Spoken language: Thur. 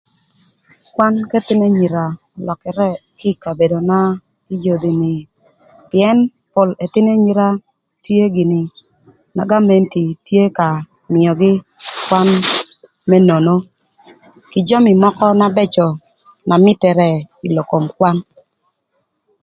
Kwan k'ëthïn anyira ölökërë kï ï kabedona ï yodhi ni pïën pol ëthïnö anyira tye gïnï na gamenti tye ka mïögï kwan më nono kï jami mökö na bëcö na mïtërë ï lok kom kwan.